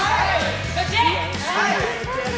はい！